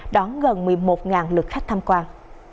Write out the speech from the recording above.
đón gần một mươi một lượt khách tham quan